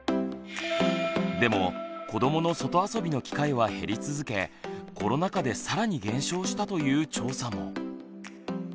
でも子どもの外あそびの機会は減り続けコロナ禍で更に減少したという調査も。